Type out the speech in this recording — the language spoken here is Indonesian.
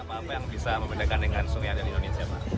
apa yang bisa memindahkan dengan sungai ada di indonesia